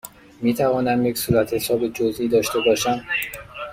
می توانم یک صورتحساب جزئی داشته باشم؟